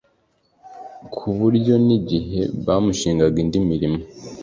ku buryo n'igihe bamushingaga indi mirimo